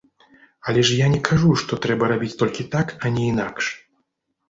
Але ж я не кажу, што трэба рабіць толькі так, а не інакш!